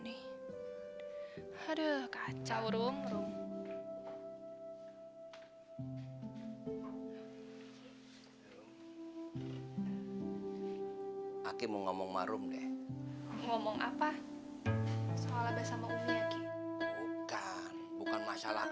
nih aduh kacau rom rom aki mau ngomong marum deh ngomong apa soal besoknya bukan bukan masalah